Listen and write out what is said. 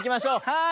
はい。